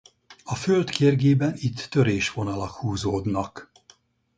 A föld kérgében itt törésvonalak húzódnak.